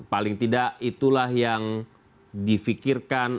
paling tidak itulah yang difikirkan